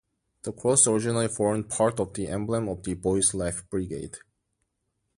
The cross originally formed part of emblem of the Boys' Life Brigade.